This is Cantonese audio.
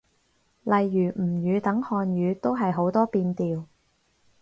例如吳語等漢語，都係好多變調